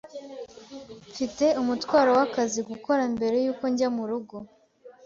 Mfite umutwaro w'akazi gukora mbere yuko njya murugo.